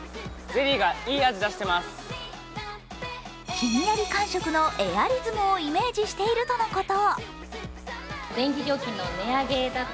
ひんやり感触のエアリズムをイメージしているとのこと。